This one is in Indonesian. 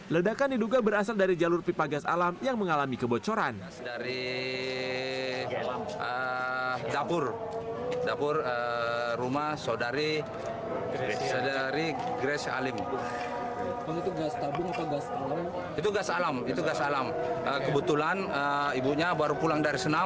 ledakan diduga berasal dari jalur pipa gas alam yang mengalami kebocoran